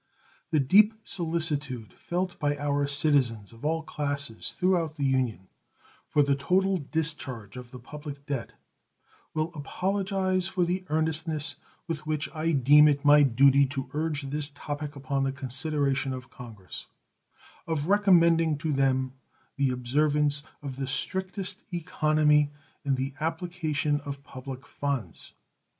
The deep solicitude felt by our citizens of all classes throughout the Union for the total discharge of the public debt will apologize for the earnestness with which I deem it my duty to urge this topic upon the consideration of Congress of recommending to them again the observance of the strictest economy in the application of the public funds.